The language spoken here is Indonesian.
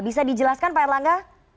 bisa dijelaskan pak erlangga